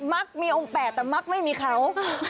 มักมีองค์แปดแต่มักไม่มีเขา